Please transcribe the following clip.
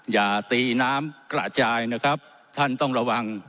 อย่าตีน้ำกระจายนะครับท่านต้องระวัง